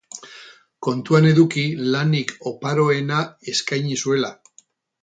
Kontuan eduki lanik oparoena eskaini zuela.